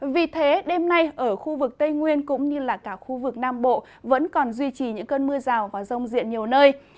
vì thế đêm nay ở khu vực tây nguyên cũng như là cả khu vực nam bộ vẫn còn duy trì những cơn mưa rào và rông diện nhiều nơi